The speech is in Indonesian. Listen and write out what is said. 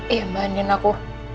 iya mbak andien aku